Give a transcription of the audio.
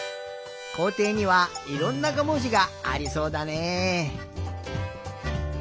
こうていにはいろんな５もじがありそうだね。